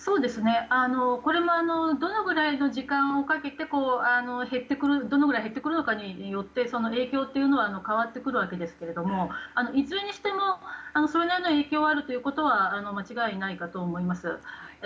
どのくらいの時間をかけてどのくらい減ってくるかによってその影響というのは変わってくるわけですけどいずれにしてもそれなりの影響はあるということは間違いないかと思います。